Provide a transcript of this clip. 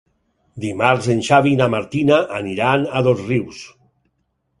Dimarts en Xavi i na Martina aniran a Dosrius.